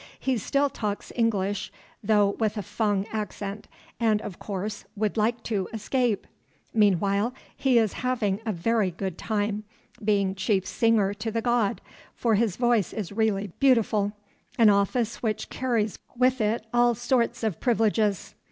He still talks English, though with a Fung accent, and, of course, would like to escape. Meanwhile, he is having a very good time, being chief singer to the god, for his voice is really beautiful, an office which carries with it all sorts of privileges.